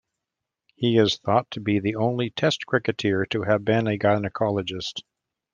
He is thought to be the only Test cricketer to have been a gynaecologist.